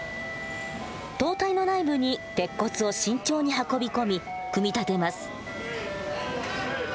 塔体の内部に鉄骨を慎重に運び込み組み立てます。